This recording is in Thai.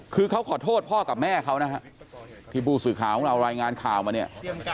คือเขาขอโทษพ่อกับแม่เขานะฮะที่ผู้สื่อข่าวของเรารายงานข่าวมาเนี่ย